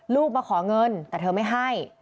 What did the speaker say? ลูกมาขอเงินแต่เธอไม่ให้